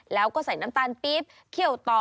แล้วก็ใส่น้ำตาลปี๊บเคี่ยวต่อ